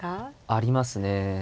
ありますね。